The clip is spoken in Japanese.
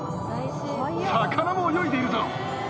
魚も泳いでいるだろ。